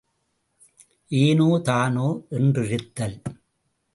ஏனோ தானோ என்றிருத்தல்.